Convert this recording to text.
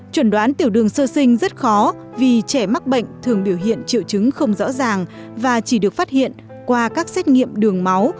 chuẩn đoán tiểu đường sơ sinh rất khó vì trẻ mắc bệnh thường biểu hiện triệu chứng không rõ ràng và chỉ được phát hiện qua các xét nghiệm đường máu